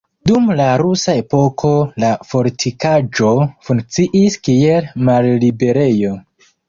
Dum la Rusa epoko la fortikaĵo funkciis kiel malliberejo.